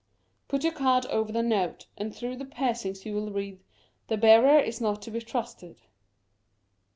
Put your card over the note, and through the piercings you will read :" The Bearer is not to be trusted."